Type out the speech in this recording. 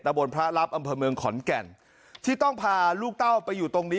บนพระรับอำเภอเมืองขอนแก่นที่ต้องพาลูกเต้าไปอยู่ตรงนี้